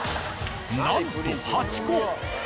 なんと８個！